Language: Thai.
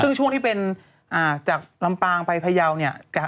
ซึ่งช่วงที่เป็นจากลำปางไปพยาวเนี่ย